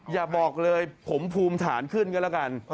อย่าบอกเลยผมภูมิฐานขึ้นก็แล้วกัน